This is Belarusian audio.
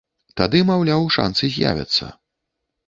Тады, маўляў, шанцы, з'явяцца.